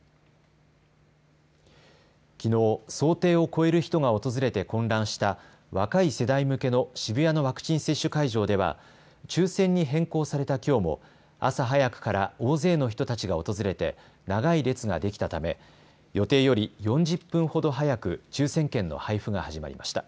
きのう、想定を超える人が訪れて混乱した若い世代向けの渋谷のワクチン接種会場では抽せんに変更されたきょうも朝早くから大勢の人たちが訪れて長い列ができたため予定より４０分ほど早く抽せん券の配布が始まりました。